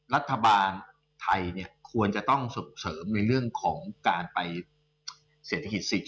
รัฐบาลไทยควรจะต้องเสริมในเรื่องของการไปเศรษฐกิจ๔๐